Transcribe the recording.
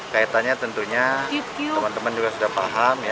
kaitannya tentunya teman teman juga sudah paham ya